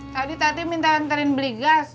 tadi tadi minta nganterin beli gas